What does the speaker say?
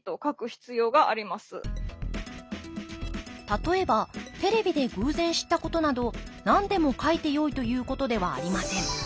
例えばテレビで偶然知ったことなど何でも書いてよいということではありません。